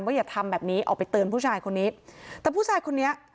อย่าทำแบบนี้ออกไปเตือนผู้ชายคนนี้แต่ผู้ชายคนนี้